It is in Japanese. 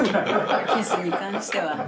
キスに関しては。